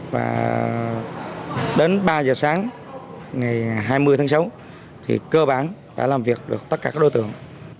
và đến ba giờ sáng ngày hai mươi tháng sáu thì cơ bản đã làm việc được tất cả các đối tượng